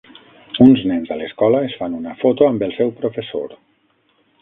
Uns nens a l'escola es fan una foto amb el seu professor.